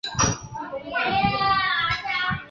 红玛瑙有扁平黑白阶。